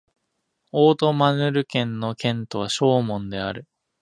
オート＝マルヌ県の県都はショーモンである